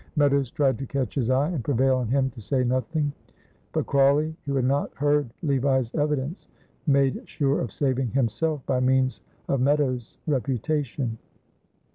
Meadows tried to catch his eye and prevail on him to say nothing; but Crawley, who had not heard Levi's evidence, made sure of saving himself by means of Meadows' reputation.